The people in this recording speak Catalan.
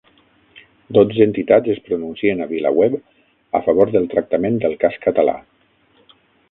Dotze entitats es pronuncien a VilaWeb a favor del tractament del cas català